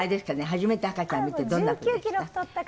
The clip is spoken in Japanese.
初めて赤ちゃん見てどんなふうでした？」